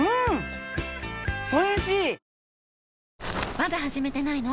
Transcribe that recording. まだ始めてないの？